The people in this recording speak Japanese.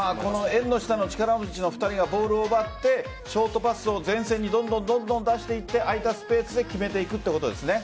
縁の下の力持ちの２人がボールを奪ってショートパスを前線にどんどん出していって空いたスペースで決めていくということですね？